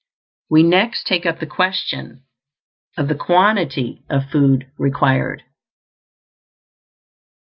We next take up the question of the quantity of food required.